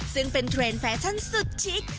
ซึ่งเป็นเทรนด์แฟชั่นสุดชิค